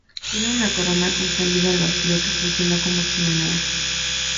Tiene una corona con salida al vacío que funcionó como chimenea.